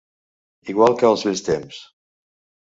Igual que els vells temps.